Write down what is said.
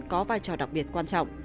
có vai trò đặc biệt quan trọng